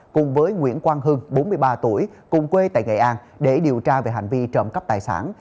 cùng với nguyễn quang hưng bốn mươi ba tuổi cùng quê tại nghệ an để điều tra về hành vi trộm cắp tài sản